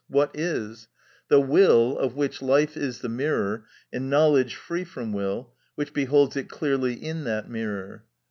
What is? The will, of which life is the mirror, and knowledge free from will, which beholds it clearly in that mirror.